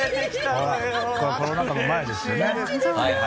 これコロナ禍の前ですよね。